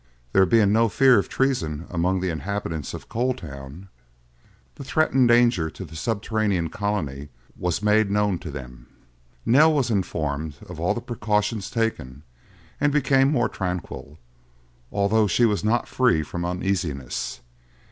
There being no fear of treason among the inhabitants of Coal Town, the threatened danger to the subterranean colony was made known to them. Nell was informed of all the precautions taken, and became more tranquil, although she was not free from uneasiness.